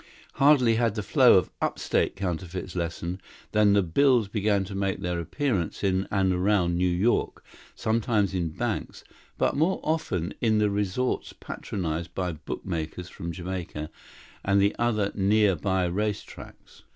Hardly had the flow of upstate counterfeits lessened than the bills began to make their appearance in and around New York, sometimes in banks, but more often in the resorts patronized by bookmakers from Jamaica and the other near by race tracks.